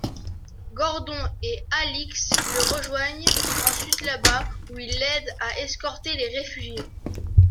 Gordon et Alyx le rejoignent ensuite là-bas où ils l'aident à escorter les réfugiés.